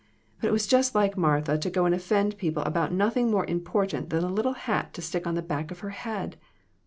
But it was just like Martha to go and offend people about nothing more important than a little hat to stick on the back of her head